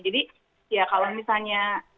jadi ya kalau misalnya